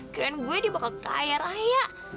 keren gue dia bakal kaya raya